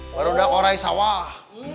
barudak orai sawah